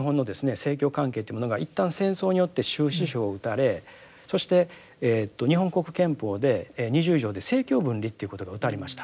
政教関係っていうものが一旦戦争によって終止符を打たれそして日本国憲法で二十条で政教分離っていうことがうたわれました。